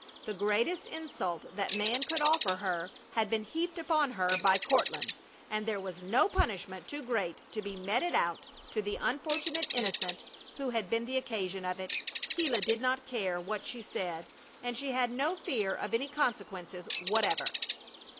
The greatest insult that man could offer her had been heaped upon her by Courtland, and there was no punishment too great to be meted out to the unfortunate innocent who had been the occasion of it. Gila did not care what she said, and she had no fear of any consequences whatever.